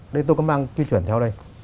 đây tôi có mang quy chuẩn theo đây